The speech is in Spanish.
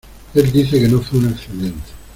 Él dice que no fue un accidente.